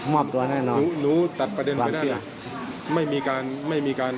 ไม่มีอะไรต่อไปอะไรเลย